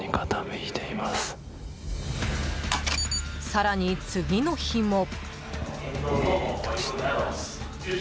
更に次の日も。